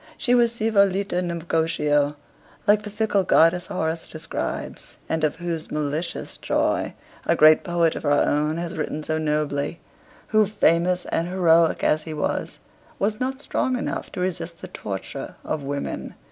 She was saevo laeta negotio, like that fickle goddess Horace describes, and of whose "malicious joy" a great poet of our own has written so nobly who, famous and heroic as he was, was not strong enough to resist the torture of women.